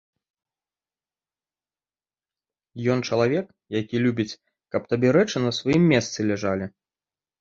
Ён чалавек, які любіць, каб табе рэчы на сваім месцы ляжалі.